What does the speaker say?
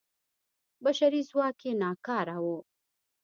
بشري ځواک یې ناکاره و.